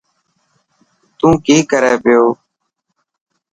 تون ڪي ڪري پيو.